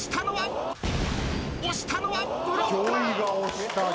押したのはブロッカー！